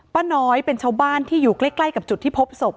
ป้าน้อยเป็นชาวบ้านที่อยู่ใกล้กับจุดที่พบศพ